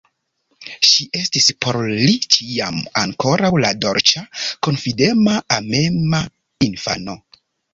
Ŝi estis por li ĉiam ankoraŭ la dolĉa, konfidema, amema infano.